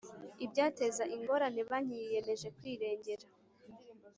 ibyateza ingorane banki yiyemeje kwirengera